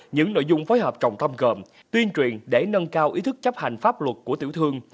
những nội dung phối hợp trọng tâm gồm tuyên truyền để nâng cao ý thức chấp hành pháp luật của tiểu thương